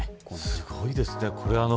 すごいですね。